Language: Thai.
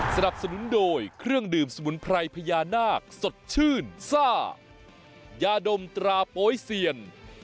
สนับสนุนโดยเครื่องดื่มสมุนไพรพญานาคสดชื่นซ่ายาดมตราโป๊ยเซียน